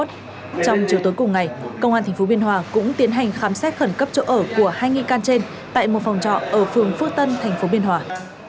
trong chiều tối cùng ngày công an tp biên hòa cũng tiến hành khám xét khẩn cấp chỗ ở của hai nghi can trên tại một phòng trọ ở phường phước tân thành phố biên hòa